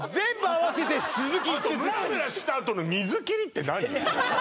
あとムラムラしたあとの「水切り」って何？